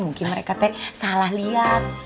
mungkin mereka salah liat